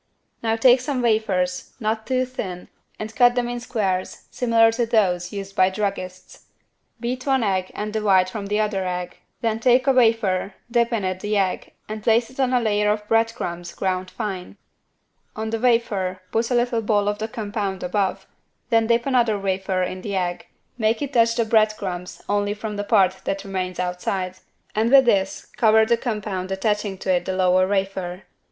Now take some wafers, not too thin and cut them in squares similar to those used by druggists. Beat one egg and the white from the other egg, then take a wafer, dip it in the egg and place it on a layer of bread crumbs ground fine. On the wafer put a little ball of the compound above, then dip another wafer in the egg, make it touch the bread crumbs only from the part that remains outside, and with this cover the compound attaching it to the lower wafer.